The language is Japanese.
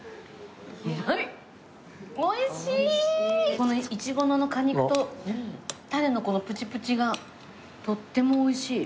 このいちごの果肉と種のこのプチプチがとっても美味しい！